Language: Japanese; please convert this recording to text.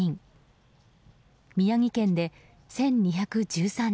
宮城県で１２１３人